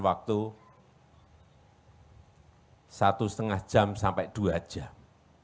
waktu satu lima jam sampai dua jam